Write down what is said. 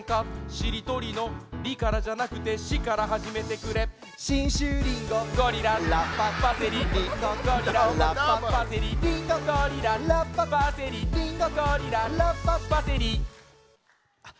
しりとりの「り」からじゃなくて「し」からはじめてくれ信州リンゴゴリララッパパセリリンゴゴリララッパパセリリンゴゴリララッパパセリリンゴゴリララッパパセリあっ